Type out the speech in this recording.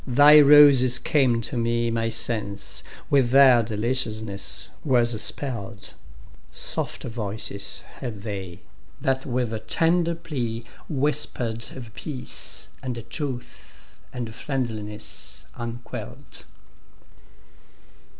thy roses came to meMy sense with their deliciousness was spell'd:Soft voices had they, that with tender pleaWhisper'd of peace, and truth, and friendliness unquell'd.